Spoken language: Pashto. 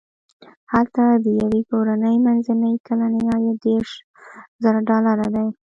هلته د یوې کورنۍ منځنی کلنی عاید دېرش زره ډالر دی.